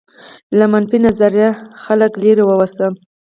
له منفي نظره خلکو لرې واوسه.